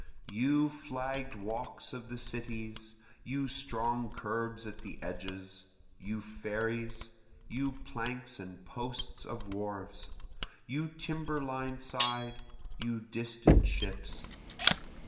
You flagg'd walks of the cities! you strong curbs at the edges! You ferries! you planks and posts of wharves! you timber lined side! you distant ships!